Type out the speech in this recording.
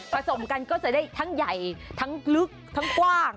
สมกันก็จะได้ทั้งใหญ่ทั้งลึกทั้งกว้าง